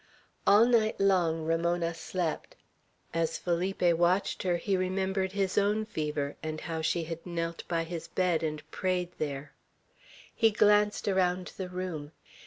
All night long Ramona slept. As Felipe watched her, he remembered his own fever, and how she had knelt by his bed and prayed there. He glanced around the room.